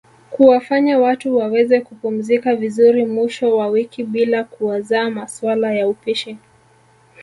kuwafanya watu waweze kupumzika vizuri mwisho wa wiki bilaa kuwaza masuala ya upishi